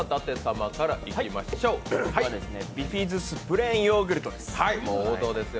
僕はビフィズスプレーンヨーグルトです。